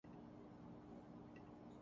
وہ ہوٹل کافی لیٹ پہنچی